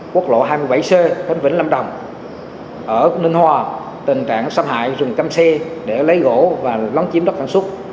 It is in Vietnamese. quốc lộ hai mươi bảy c khánh vĩnh lâm đồng ở ninh hòa tình trạng xâm hại rừng căm xe để lấy gỗ và lấn chiếm đất sản xuất